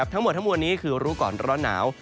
ทั้งหมดทั้งมวลนี้คือรู้ก่อนร้อนหนาว